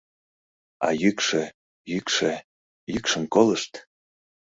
— А йӱкшӧ, йӱкшӧ, йӱкшым колышт.